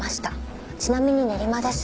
ちなみに練馬です。